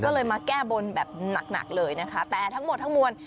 ก็เลยมาแก้บนแบบหนักหนักเลยนะคะแต่ทั้งหมดทั้งมวล